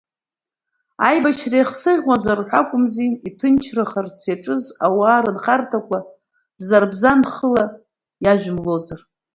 Аибашьра еихсыӷьуазар ҳәа акәымзи, иҭынчхарц иаҿыз ауаа рынхарҭақәа бзарбзанхыла иажәымлозар.